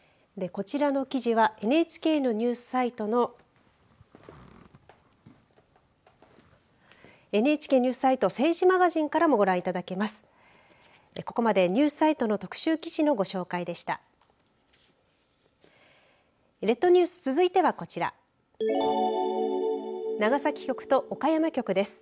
こちらの記事はＮＨＫのニュースサイトのＮＨＫにニュースサイト政治マガジンからもご覧いただけます。